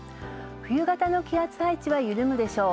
冬型の気圧配置は緩むでしょう。